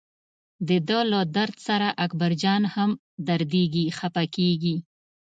دده له درد سره اکبرجان هم دردېږي خپه کېږي.